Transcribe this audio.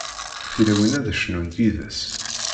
Tilawin ad cennunt yid-s.